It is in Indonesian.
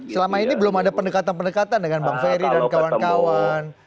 selama ini belum ada pendekatan pendekatan dengan bang ferry dan kawan kawan